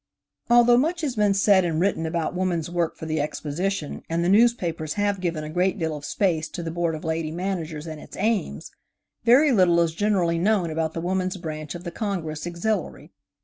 Although much has been said and written about woman's work for the Exposition and the newspapers have given a great deal of space to the Board of Lady Managers and its aims, very little is generally known about the Woman's Branch of the Congress Auxiliary.